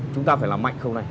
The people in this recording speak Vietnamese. chúng ta phải làm mạnh không này